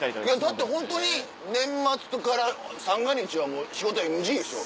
だってホントに年末から三が日は仕事ＮＧでしょ？